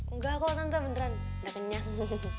enggak kok tante beneran udah kenyang